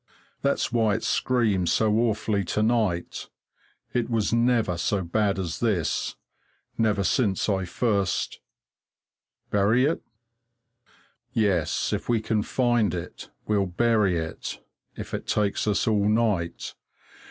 That's why it screams so awfully to night it was never so bad as this never since I first Bury it? Yes, if we can find it, we'll bury it, if it takes us all night.